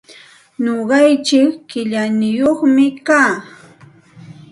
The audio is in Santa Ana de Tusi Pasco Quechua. Nuqaichik qillaniyuqmi kaa.